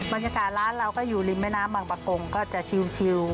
บรรยากาศร้านเราก็อยู่ริมแม่น้ำบางประกงก็จะชิว